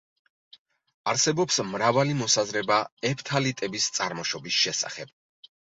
არსებობს მრავალი მოსაზრება ეფთალიტების წარმოშობის შესახებ.